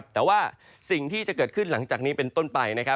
แต่ว่าสิ่งที่จะเกิดขึ้นหลังจากนี้เป็นต้นไป